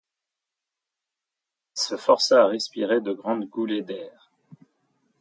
Il se força à respirer de grandes goulées d’air.